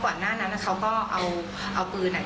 อ๋อปืนหนีกันอัดแก๊สรวมโม่อย่างนั้น